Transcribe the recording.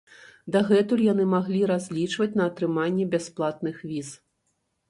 Дагэтуль яны маглі разлічваць на атрыманне бясплатных віз.